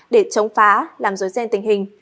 để chống phá làm dối gian tình hình